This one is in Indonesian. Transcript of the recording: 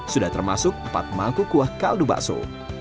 sudah termasuk empat mangkuk kuah kaldu bakso